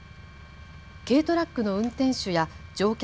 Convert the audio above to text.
軽トラックの運転手や乗客